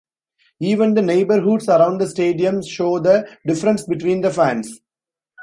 Even the neighborhoods around the stadiums show the difference between the fans.